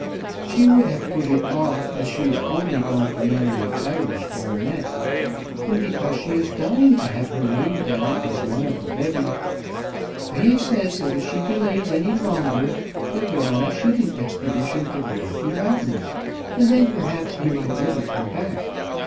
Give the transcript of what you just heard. She would have put it off, as she is only going to marry an Irish baronet, and because she is dying to have her name down as one of the bevy, but he says that if she delays any longer he'll go on a shooting expedition to the Rocky Mountains, and then perhaps he might never come back.